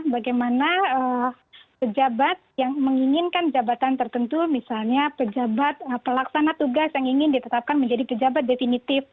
bagaimana pejabat yang menginginkan jabatan tertentu misalnya pejabat pelaksana tugas yang ingin ditetapkan menjadi pejabat definitif